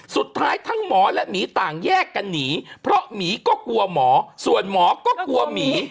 สุดท้ายทั้งหมอและหมีต่างแยกกันหนีเพราะหมีก็กลัวหมอส่วนหมอก็กลัวหมี